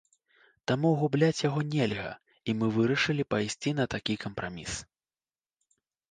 Таму губляць яго нельга, і мы вырашылі пайсці на такі кампраміс.